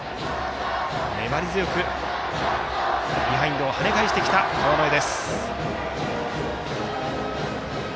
粘り強くビハインドを跳ね返してきた川之江。